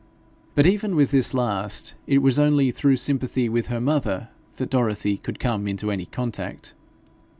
But even with this last, it was only through sympathy with her mother that Dorothy could come into any contact.